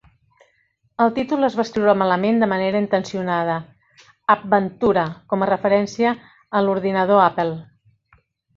El títol es va escriure malament de manera intencionada; "Apventura", com a referència a l"ordinador Apple.